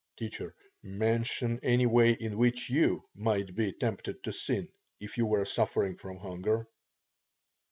T. Mention any way in which you might be tempted to sin, if you were suffering from hunger?